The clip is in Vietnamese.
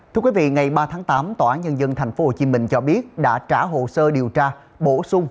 thưa quý vị ngày ba tháng tám tòa án nhân dân tp hcm cho biết đã trả hồ sơ điều tra bổ sung